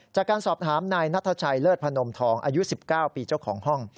จากการสอบถามนายนัทชัยเลิศพนมทองอายุ๑๙ปีเจ้าของห้อง